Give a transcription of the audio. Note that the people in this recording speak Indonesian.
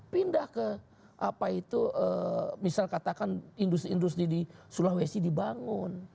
pindah ke apa itu misal katakan industri industri di sulawesi dibangun